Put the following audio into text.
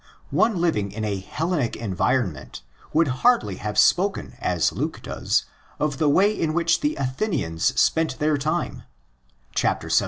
One living in a Hellenic environment would hardly have spoken as Luke does of the way in which the Athenians spent their time (xvii.